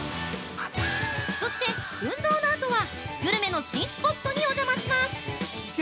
そして、運動のあとはグルメの新スポットにお邪魔します。